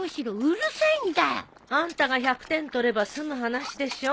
あんたが１００点取れば済む話でしょ。